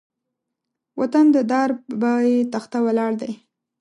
وطن د دار بۀ تخته ولاړ دی